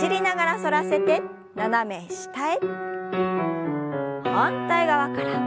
反対側から。